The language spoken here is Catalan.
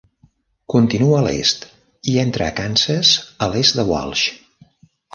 Continua a l'est i entra a Kansas a l'est de Walsh.